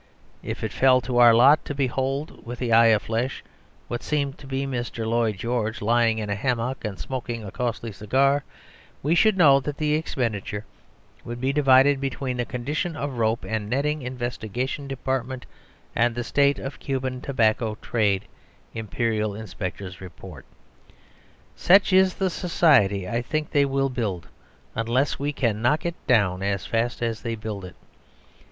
If it fell to our lot to behold (with the eye of flesh) what seemed to be Mr. Lloyd George lying in a hammock and smoking a costly cigar, we should know that the expenditure would be divided between the "Condition of Rope and Netting Investigation Department," and the "State of Cuban Tobacco Trade: Imperial Inspector's Report." Such is the society I think they will build unless we can knock it down as fast as they build it.